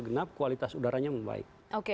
genap kualitas udaranya membaik